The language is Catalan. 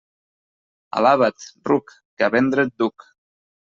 Alaba't, ruc, que a vendre et duc.